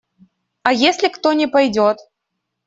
А если кто не пойдет?